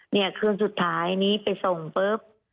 เนี่ยคืนสุดท้ายนี้ไปส่งปุ๊บ